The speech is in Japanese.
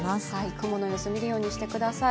雲の様子、見るようにしてください。